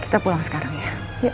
kita pulang sekarang ya